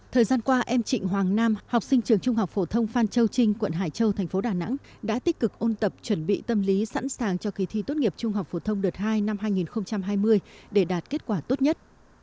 thời gian qua em trịnh hoàng nam học sinh trường trung học phổ thông phan châu trinh quận hải châu thành phố đà nẵng đã tích cực ôn tập chuẩn bị tâm lý sẵn sàng cho kỳ thi tốt nghiệp trung học phổ thông đợt hai năm hai nghìn hai mươi để đạt kết quả tốt nhất